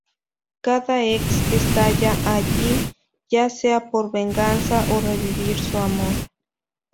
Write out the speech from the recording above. Cada ex está allí, ya sea por venganza o revivir su amor.